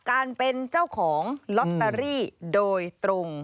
การเป็นเจ้าของลอตเตอรี่โดยตรง